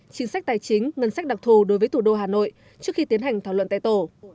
chính sách tài chính ngân sách đặc thù đối với thủ đô hà nội trước khi tiến hành thảo luận tại tổ